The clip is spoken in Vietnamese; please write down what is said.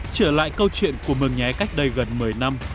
trở lại câu chuyện của mường nhé cách đây gần một mươi năm